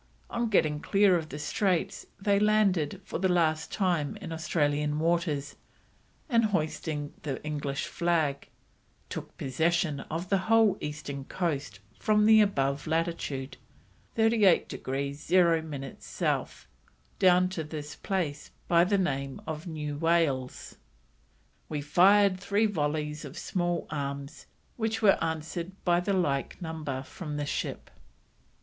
On getting clear of the straits, they landed for the last time in Australian waters, and hoisting the English flag: "took possession of the whole Eastern Coast from the above latitude (38 degrees 0 minutes South) down to this place by the name of New Wales. We fired three volleys of small arms, which were answer'd by the like number from the ship."